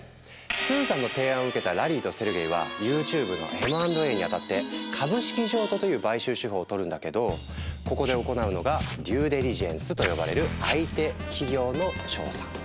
スーザンの提案を受けたラリーとセルゲイはＹｏｕＴｕｂｅのＭ＆Ａにあたって株式譲渡という買収手法をとるんだけどここで行うのが「デューデリジェンス」と呼ばれる相手企業の調査。